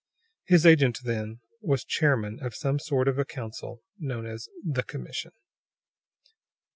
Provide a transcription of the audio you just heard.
His agent, then, was chairman of some sort of a council, known as "the commission."